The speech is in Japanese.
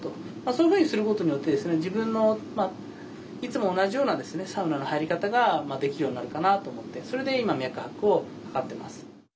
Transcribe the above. そういうふうにすることによってですねいつも同じようなですねサウナの入り方ができるようになるかなと思ってそれで今脈拍を測ってます。